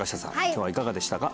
今日はいかがでしたか？